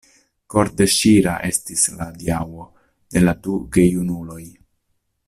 Kordeŝira estis la adiaŭo de la du gejunuloj.